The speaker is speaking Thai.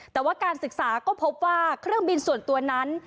แต่ว่าการศึกษาก็พบว่าเครื่องบินส่วนตัวนั้น